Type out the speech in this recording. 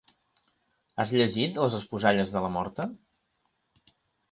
Has llegit "Les esposalles de la morta"?